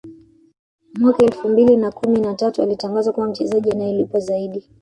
Mwaka elfu mbili na kumi na tatu alitangazwa kuwa mchezaji anayelipwa zaidi